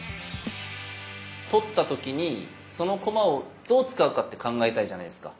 取った時にその駒をどう使うかって考えたいじゃないですか。